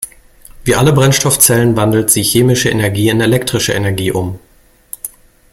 Wie alle Brennstoffzellen wandelt sie chemische Energie in elektrische Energie um.